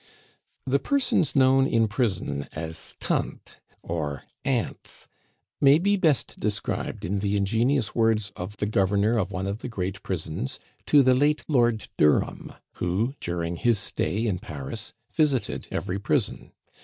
The persons known in prison as tantes or aunts may be best described in the ingenious words of the governor of one of the great prisons to the late Lord Durham, who, during his stay in Paris, visited every prison.